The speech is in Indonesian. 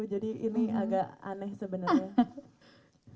jadi ini agak aneh sebenarnya